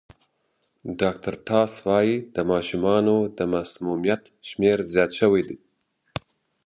ډاکټر ټاس وايي د ماشومانو د مسمومیت شمېر زیات شوی.